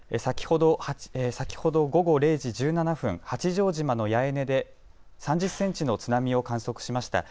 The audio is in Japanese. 先ほど午後０時１７分、八丈島の八重根で３０センチの津波を観測しました。